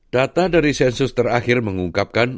data dari sensus terakhir mengungkapkan